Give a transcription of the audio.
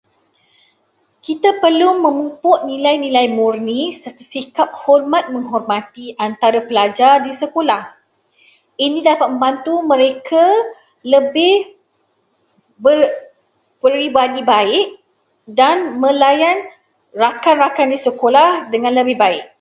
Kita perlu memupuk nilai-nilai murni, sikap hormat-menghormati antara pelajar di sekolah. Ini dapat membantu mereka lebih berperibadi baik dan melayan rakan-rakan di sekolah dengan lebih baik.